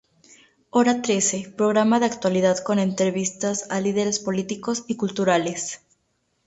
Hora trece, programa de actualidad con entrevistas a líderes políticos y culturales.